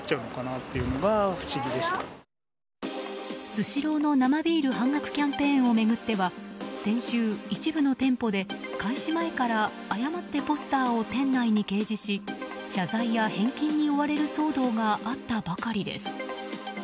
スシローの生ビール半額キャンペーンを巡っては先週、一部の店舗で開始前から誤ってポスターを店内に掲示し謝罪や返金に追われる騒動があったばかりです。